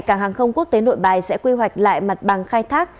cảng hàng không quốc tế nội bài sẽ quy hoạch lại mặt bằng khai thác